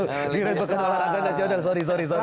kira kira bukan olahraga nasional sorry sorry